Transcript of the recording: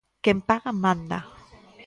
'Quen paga, manda'.